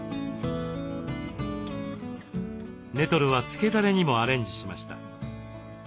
ネトルはつけだれにもアレンジしました。